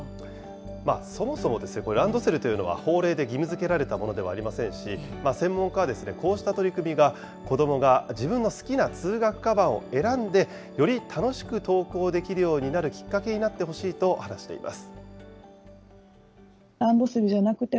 そもそもランドセルというのは、法令で義務づけられたものではありませんし、専門家は、こうした取り組みが、子どもが自分の好きな通学かばんを選んで、より楽しく登校できるようになるきっかけになってほしいと話しています。